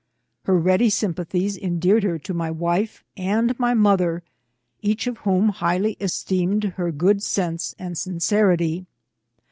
Her ready sympathies endeared her to my wife and my mother, each of whom highly esteemed her good sense and sincerity.